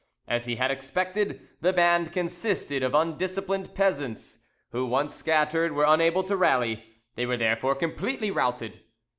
As he had expected, the band consisted of undisciplined peasants, who once scattered were unable to rally. They were therefore completely routed.